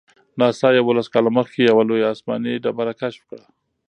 ناسا یوولس کاله مخکې یوه لویه آسماني ډبره کشف کړه.